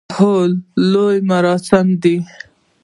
هو، لوی مراسم دی